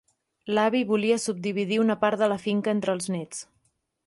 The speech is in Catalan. L'avi volia subdividir una part de la finca entre els nets.